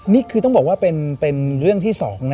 นี่คือต้องบอกว่าเป็นเรื่องที่๒นะ